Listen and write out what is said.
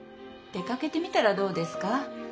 出かけてみたらどうですか？